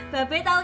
bapak mau kemana